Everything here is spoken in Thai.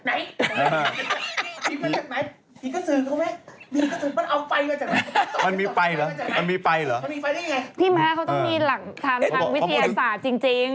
พี่มาแล้วเค้าก็ต้องมีทำทางวิทยาศาสตร์จริง